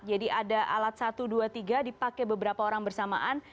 jadi ada alat satu dua tiga dipakai beberapa orang bersamaan